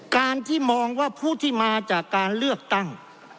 การที่มองว่าผู้ที่มาจากการเลือกตั้ง